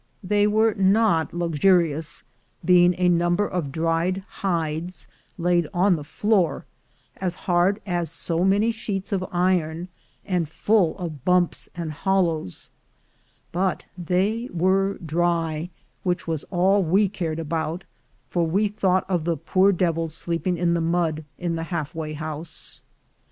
They were not luxurious, being a number of dried hides laid on the floor, as hard as so many sheets of iron, and full of bumps and hollows; but they were dry, which was all we cared about, for we thought of the poor devils sleeping in the mud in the half way house.